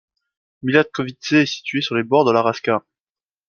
Milatkoviće est situé sur les bords de la Raška.